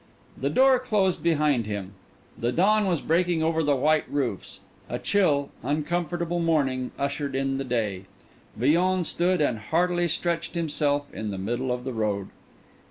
The door closed behind him. The dawn was breaking over the white roofs. A chill, uncomfortable morning ushered in the day. Villon stood and heartily stretched himself in the middle of the road.